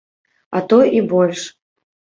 А то і больш.